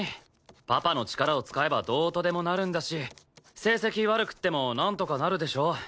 パパの力を使えばどうとでもなるんだし成績悪くてもなんとかなるでしょ？